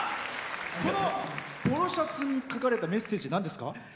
このポロシャツに書かれたメッセージなんですか？